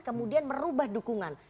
kemudian merubah dukungan